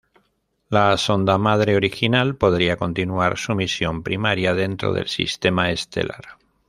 La sonda "madre" original podría continuar su misión primaria dentro del sistema estelar.